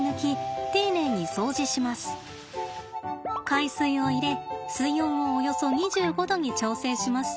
海水を入れ水温をおよそ２５℃に調整します。